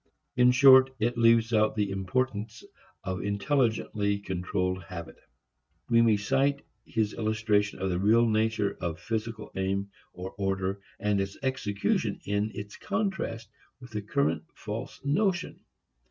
In short, it leaves out the importance of intelligently controlled habit. We may cite his illustration of the real nature of a physical aim or order and its execution in its contrast with the current false notion.